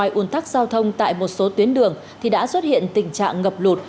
ủn tắc giao thông tại một số tuyến đường thì đã xuất hiện tình trạng ngập lụt